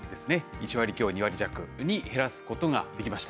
１割強２割弱に減らすことができました。